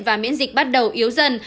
và miễn dịch bắt đầu yếu dần